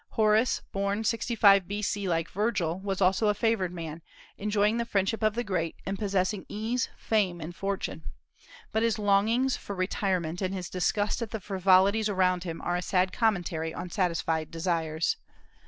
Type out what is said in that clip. Horace, born 65 B.C., like Virgil was also a favored man, enjoying the friendship of the great, and possessing ease, fame, and fortune; but his longings for retirement and his disgust at the frivolities around him are a sad commentary on satisfied desires.